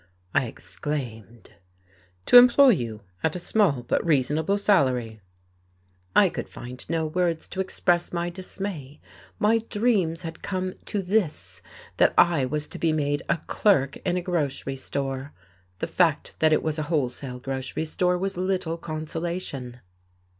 I exclaimed. "To employ you at a small but reasonable salary." I could find no words to express my dismay. My dreams had come to this, that I was to be made a clerk in a grocery store! The fact that it was a wholesale grocery store was little consolation.